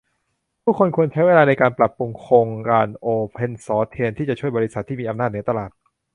ผู้คนควรใช้เวลาในการปรับปรุงโครงการโอเพนซอร์ซแทนที่จะช่วย บริษัท ที่มีอำนาจเหนือตลาด